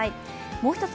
もう一つ